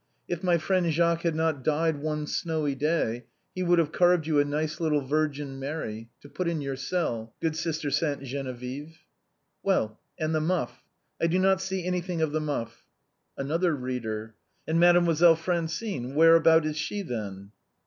If my friend Jacques had not died one snowy day he would have carved you a nice little Virgin Mary to put in your cell, good Sister Sainte Geneviève. A Reader: Well, and the muff? I do not see anything of the muff. Another Reader: And Mademoiselle Francine, where abouts is she, then?